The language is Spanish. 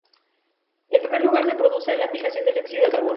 En primer lugar se produce la fijación del dióxido de carbono.